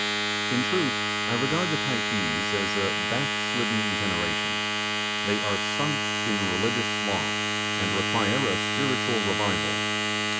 In truth, I regard the Typees as a back slidden generation. They are sunk in religious sloth, and require a spiritual revival.